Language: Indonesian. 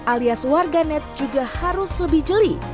alias warganet juga harus lebih jeli